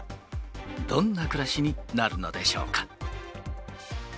どんな暮らしになるのでしょうか。